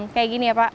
kayak gini ya pak